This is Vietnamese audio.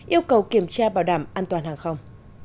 yêu cầu kiểm tra bảo đảm an toàn hàng không